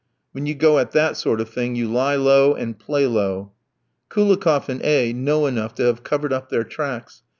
"When you go at that sort of thing you lie low and play low!" "Koulikoff and A v know enough to have covered up their tracks.